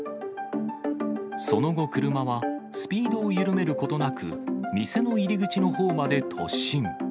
その後、車はスピードを緩めることなく店の入り口のほうまで突進。